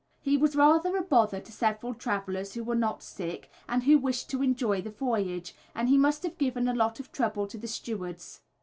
He was rather a bother to several travellers who were not sick, and who wished to enjoy the voyage, and he must have given a lot of trouble to the stewards.